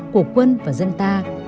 của quân và dân ta